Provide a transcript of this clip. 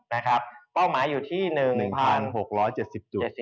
นะครับเป้าหมายอยู่ที่๑๖๗๐จุดนะครับ